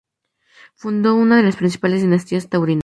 Fundó una de las principales dinastías taurinas.